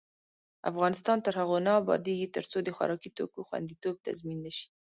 افغانستان تر هغو نه ابادیږي، ترڅو د خوراکي توکو خوندیتوب تضمین نشي.